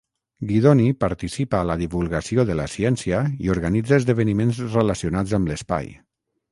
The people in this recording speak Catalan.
Guidoni participa a la divulgació de la ciència i organitza esdeveniments relacionats amb l"espai.